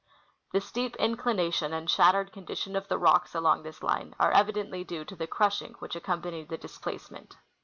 The steep inclination and shattered condition of the rocks along this line are evidenth" due to the crushing which accompanied the displacement.